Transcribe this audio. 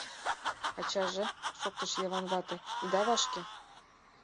— Ачаже, — шоктыш Йыван вате, — ида вашке.